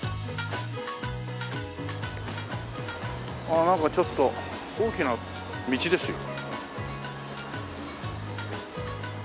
ああなんかちょっと大きな道ですよ。